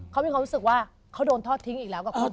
เขามีความรู้สึกว่าเขาโดนทอดทิ้งอีกแล้วกับเขา